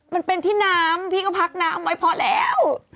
มันเป็นที่น้ำพี่ก็พักน้ำไว้พอแล้ว